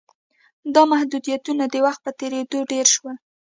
دا محدودیتونه د وخت په تېرېدو ډېر شول